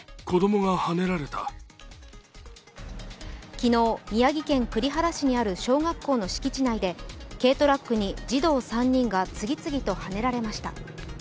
昨日、宮城県栗原市にある小学校の敷地内で軽トラックに児童３人が次々とはねられました。